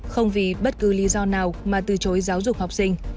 không vì bất cứ lý do nào mà từ chối giáo dục học sinh